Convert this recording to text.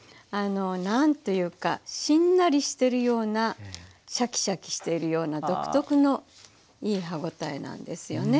何というかしんなりしてるようなシャキシャキしているような独特のいい歯応えなんですよね。